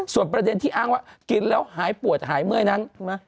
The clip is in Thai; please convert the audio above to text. ส่วนประเด็นที่อ้างว่ากินแล้วหายปวดหายเมื่อยนั้น